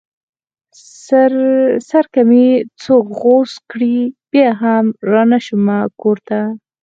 سر که مې څوک غوڅ کړې بيا به رانشمه کور ته